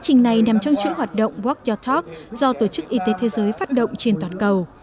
trình này nằm trong chuỗi hoạt động walk your talk do tổ chức y tế thế giới phát động trên toàn cầu